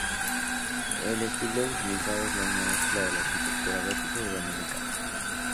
El estilo utilizado es una mezcla de arquitectura gótica y románica.